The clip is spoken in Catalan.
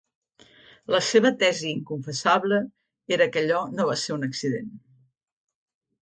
La seva tesi inconfessable era que allò no va ser un accident.